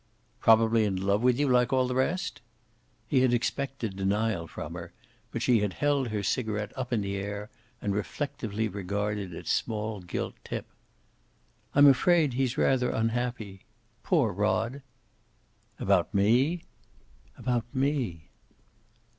"Probably in love with you once, like all the rest?" He had expected denial from her, but she had held her cigaret up in the air, and reflectively regarded its small gilt tip. "I'm afraid he's rather unhappy. Poor Rod!" "About me?" "About me."